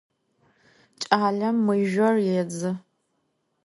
Ç'alem mızjor yêdzı.